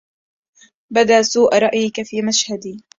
بدا سوء رأيك في مشهدي